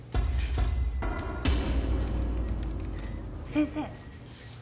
先生。